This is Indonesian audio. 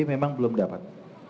memang belum dapat